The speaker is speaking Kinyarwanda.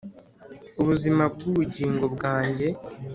ubuzima bw'ubugingo bwanjye